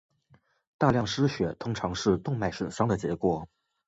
大量失血通常是动脉损伤的结果。